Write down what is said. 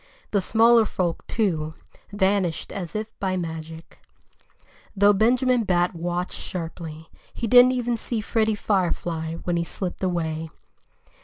The smaller folk, too, vanished as if by magic. Though Benjamin Bat watched sharply, he didn't even see Freddie Firefly when he slipped away.